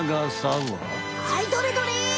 はいどれどれ？